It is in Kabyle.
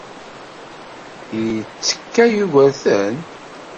Yettekka Yugurten?